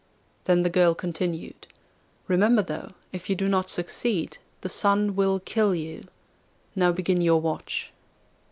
Then the girl continued: 'Remember, though, if you do not succeed the Sun will kill you. Now begin your watch.